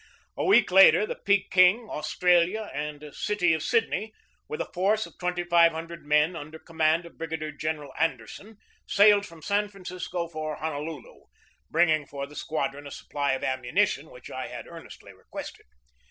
A week later the Peking, Australia, and City of Sidney, with a force of twenty five hundred men under command of Brig adier General Anderson, sailed from San Francisco for Honolulu, bringing for the squadron a supply of ammunition which I had earnestly requested.